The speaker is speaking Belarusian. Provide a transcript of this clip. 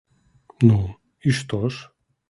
Ну, і што ж?